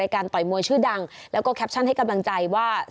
การต่อยมวยชื่อดังแล้วก็แคปชั่นให้กำลังใจว่า